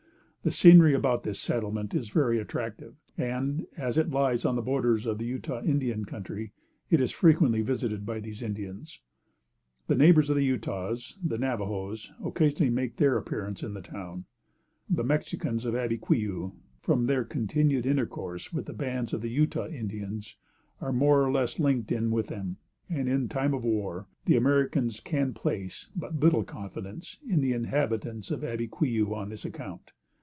The scenery about this settlement is very attractive, and, as it lies on the borders of the Utah Indian country, it is frequently visited by these Indians. The neighbors of the Utahs, the Navajoes, occasionally make their appearance in the town. The Mexicans of Abiquiu, from their continued intercourse with bands of the Utah Indians, are more or less linked in with them; and, in time of war, the Americans can place but little confidence in the inhabitants of Abiquiu on this account.